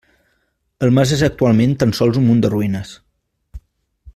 El mas és actualment tan sols un munt de ruïnes.